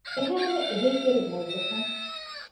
އެހައިމެ އެހީތެރި މުވައްޒަފުން